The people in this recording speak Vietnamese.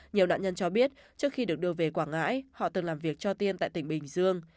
nhiều đạn nhân cho biết trước khi được đưa về quảng ngãi họ từng làm việc cho tiên tại tỉnh bình dương